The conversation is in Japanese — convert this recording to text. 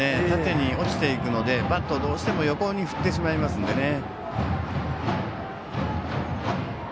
縦に落ちていくのでバットをどうしても横に振ってしまいますので。